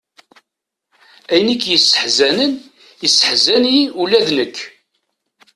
Ayen i k-yesseḥzanen, yesseḥzan-iyi ula d nekk.